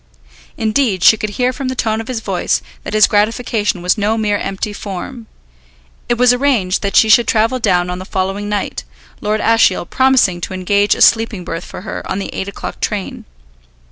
Indeed, she could hear from the tone of his voice that his gratification was no mere empty form. It was arranged that she should travel down on the following night, Lord Ashiel promising to engage a sleeping berth for her on the eight o'clock train.